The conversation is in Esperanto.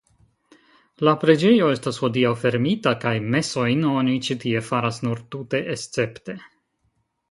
La preĝejo estas hodiaŭ fermita kaj mesojn oni ĉi tie faras nur tute escepte.